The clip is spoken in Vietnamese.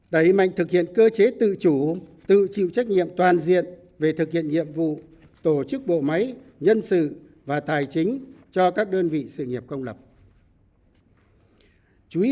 đẩy mạnh thực hiện cơ chế tự chủ tự chịu trách nhiệm toàn diện về thực hiện nhiệm vụ tổ chức bộ máy nhân sự và tác dụng công ty